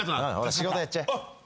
仕事やっちゃえ。